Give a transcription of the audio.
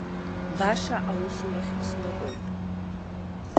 Баша аусурахь сныҟәоит.